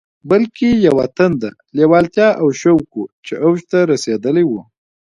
بلکې يوه تنده، لېوالتیا او شوق و چې اوج ته رسېدلی و.